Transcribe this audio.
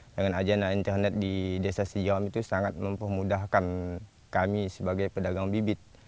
dengan ajana internet di desa sijam itu sangat mempermudahkan kami sebagai pedagang bibit